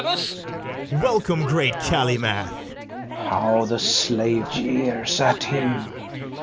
BARABAS. Welcome, great Calymath! FERNEZE. How the slave jeers at him!